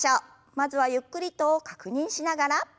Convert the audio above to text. まずはゆっくりと確認しながら。